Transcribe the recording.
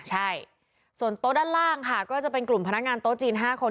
ใช่ส่วนโต๊ะด้านล่างค่ะก็จะเป็นกลุ่มพนักงานโต๊ะจีน๕คน